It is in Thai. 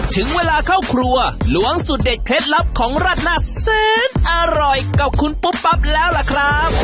ถึงเวลาเข้าครัวล้วงสูตรเด็ดเคล็ดลับของราดหน้าแสนอร่อยกับคุณปุ๊บปั๊บแล้วล่ะครับ